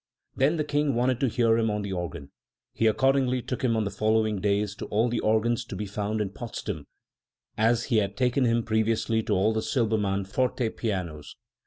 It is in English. Then the King wanted to hear him on the organ. He ac cordingly took him on the following days to aU the organs t o be found in Potsdam, as he had taken Him previously to all the Silber mann forte pianos.